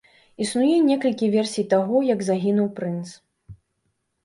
Існуе некалькі версій таго, як загінуў прынц.